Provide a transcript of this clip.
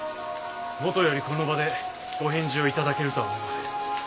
もとよりこの場で御返事を頂けるとは思いません。